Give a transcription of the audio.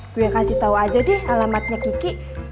gue kasih tau aja deh alamatnya kiki